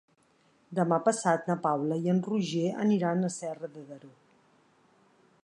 Demà passat na Paula i en Roger aniran a Serra de Daró.